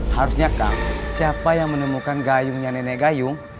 harusnya kang siapa yang menemukan gayungnya nenek gayung